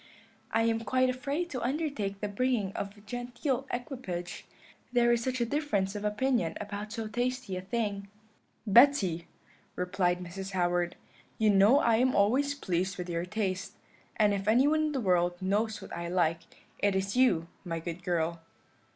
I am quite afraid to undertake the bringing of a genteel equipage, there is such a difference of opinion about so tasty a thing.' "'Betty,' replied Mrs. Howard, 'you know I am always pleased with your taste; and if anyone in the world knows what I like, it is you, my good girl.'